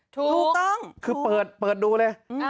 ถูกถูกคือเปิดเปิดดูเลย